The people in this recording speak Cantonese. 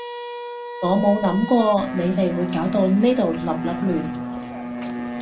我冇諗過你哋會搞到呢度笠笠亂